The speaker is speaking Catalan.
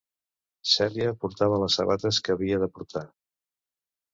Celia portava les sabates que havia de portar.